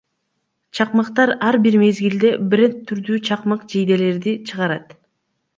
Чакмактар Ар бир мезгилде бренд түрдүү чакмак жейделерди чыгарат.